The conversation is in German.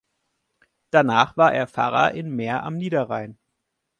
Danach war er Pfarrer in Mehr am Niederrhein.